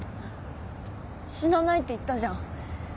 死なないって言ったじゃん。